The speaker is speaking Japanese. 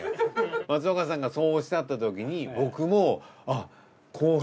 松岡さんがそうおっしゃったときに僕もあっ後輩